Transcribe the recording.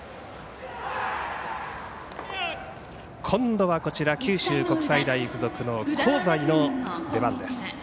今度はこちら九州国際大付属の香西の出番です。